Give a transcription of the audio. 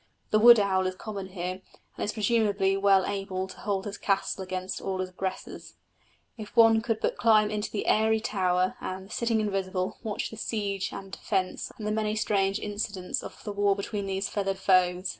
The wood owl is common here, and is presumably well able to hold his castle against all aggressors. If one could but climb into the airy tower, and, sitting invisible, watch the siege and defence and the many strange incidents of the war between these feathered foes!